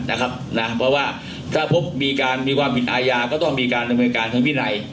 เพราะว่าถ้าพบมีความผิดอายาก็ต้องมีการทำวินัย